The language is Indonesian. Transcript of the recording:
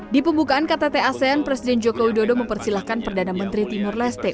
di pembukaan ktt asean presiden joko widodo mempersilahkan perdana menteri timur leste